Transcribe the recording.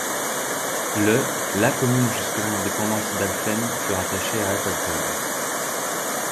Le, la commune jusque-là indépendante d'Alphen fut rattaché à Appeltern.